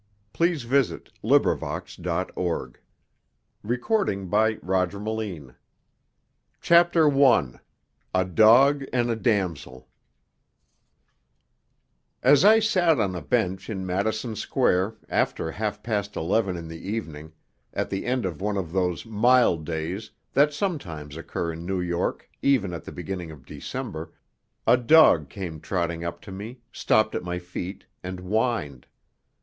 FULL CONFESSION XXV. THE END OF THE CHÂTEAU JACQUELINE OF GOLDEN RIVER CHAPTER I A DOG AND A DAMSEL As I sat on a bench in Madison Square after half past eleven in the evening, at the end of one of those mild days that sometimes occur in New York even at the beginning of December, a dog came trotting up to me, stopped at my feet, and whined.